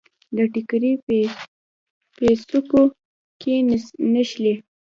د ټیکري پیڅکو کې نښلي